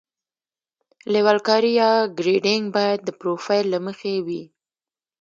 لیول کاري یا ګریډینګ باید د پروفیل له مخې وي